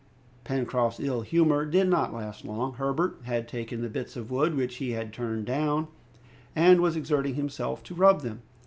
Pencroft's ill humor did not last long. Herbert had taken the bits of wood which he had turned down, and was exerting himself to rub them.